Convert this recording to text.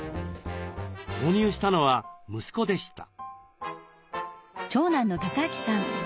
購入したのは息子でした。